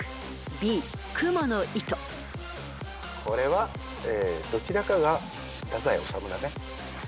これはどちらかが太宰治だね。